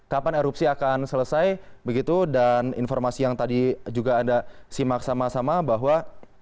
kapan erupsi akan selesai begitu dan informasi yang tadi juga anda simak sama sama bahwa